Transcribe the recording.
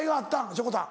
しょこたん。